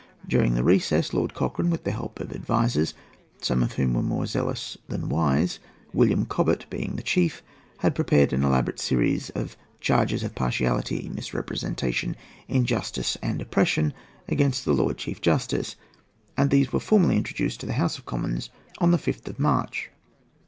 During the recess, Lord Cochrane, with the help of advisers, some of whom were more zealous than wise, William Cobbett being the chief, had prepared an elaborate series of "charges of partiality, misrepresentation, injustice, and oppression against the Lord Chief Justice;" and these were formally introduced to the House of Commons on the 5th of March.